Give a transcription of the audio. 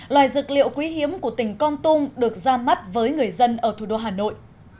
loài dược liệu quý hiếm của tỉnh con tum được ra mắt với người dân ở thủ đô hà nội